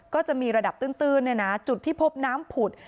ก็จะมีระดับตื้นจุดที่พบน้ำผุด